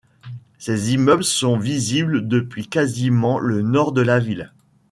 Ces immeubles sont visibles depuis quasiment le nord de la ville.